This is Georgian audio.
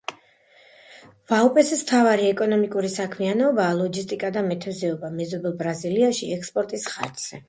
ვაუპესის მთავარი ეკონომიკური საქმიანობაა ლოჯისტიკა და მეთევზეობა, მეზობელ ბრაზილიაში ექსპორტის ხარჯზე.